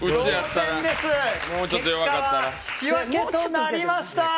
結果は引き分けとなりました！